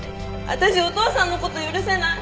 私お父さんの事許せない。